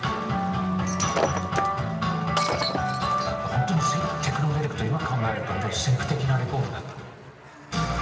本当に「テクノデリック」って今考えると先駆的なレコードだった。